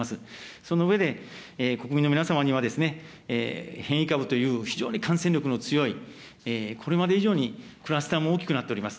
その上で、国民の皆様には変異株という非常に感染力の強い、これまで以上にクラスターも大きくなっております。